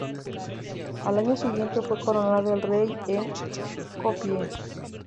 Al año siguiente fue coronado rey en Skopie.